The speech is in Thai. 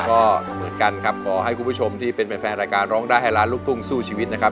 ก็เหมือนกันครับขอให้คุณผู้ชมที่เป็นแฟนรายการร้องได้ให้ล้านลูกทุ่งสู้ชีวิตนะครับ